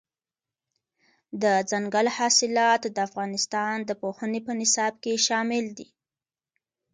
دځنګل حاصلات د افغانستان د پوهنې په نصاب کې شامل دي.